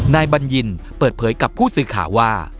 บัญญินเปิดเผยกับผู้สื่อข่าวว่า